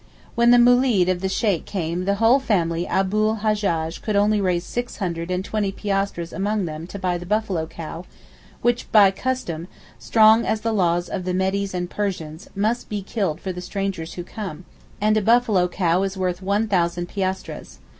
When the Moolid of the Sheykh came the whole family Abu l Hajjaj could only raise six hundred and twenty piastres among them to buy the buffalo cow, which by custom—strong as the laws of the Medes and Persians—must be killed for the strangers who come; and a buffalo cow is worth one thousand piastres.